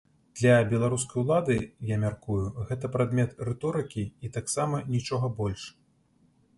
Для беларускай улады, я мяркую, гэта прадмет рыторыкі і таксама нічога больш.